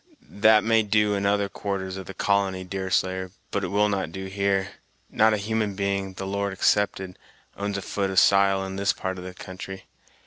"That may do in other quarters of the colony, Deerslayer, but it will not do here. Not a human being, the Lord excepted, owns a foot of sile in this part of the country.